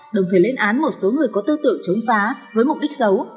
đồng thời lên án một số người có tư tưởng chống phá với mục đích xấu